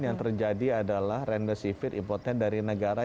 yang terjadi adalah remdesivit importnya dari negara